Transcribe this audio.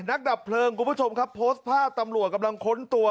นักดับเพลิงคุณผู้ชมครับพสผ่าตำรวจกำลังขนตัว